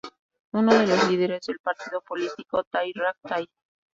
Uno de los líderes del partido político Thai Rak Thai.